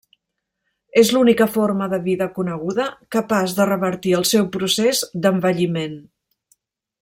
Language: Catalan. És l'única forma de vida coneguda capaç de revertir el seu procés d'envelliment.